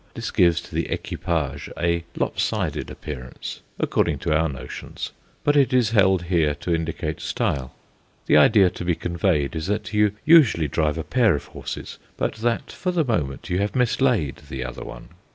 This gives to the equipage a lop sided appearance, according to our notions, but it is held here to indicate style. The idea to be conveyed is that you usually drive a pair of horses, but that for the moment you have mislaid the other one.